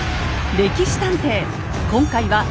「歴史探偵」